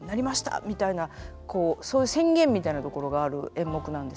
みたいなそういう宣言みたいなところがある演目なんです。